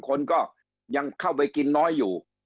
คนก็ยังเข้าไปกินน้อยอยู่